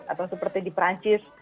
atau seperti di perancis